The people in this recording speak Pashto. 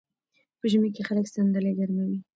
په ژمي کې خلک صندلۍ ګرموي.